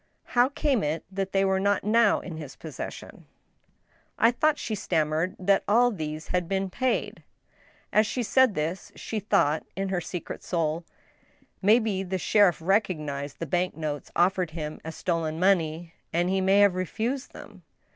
How came it that they were not now in his possession ?"" I thought," she stammered, "that all these had been paid." As she said this, she thought, in her secret soul :" May be the sheriff recognized the bank notes offered him as stolen money, and he may have refused them."